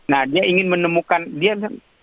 nah dia ingin menemukan